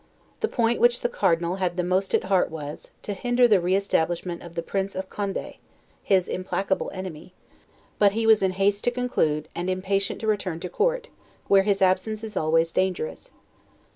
The point which the Cardinal had most at heart was, to hinder the re establishment of the Prince of Conde, his implacable enemy; but he was in haste to conclude, and impatient to return to Court, where absence is always dangerous.